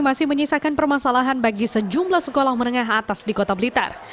masih menyisakan permasalahan bagi sejumlah sekolah menengah atas di kota blitar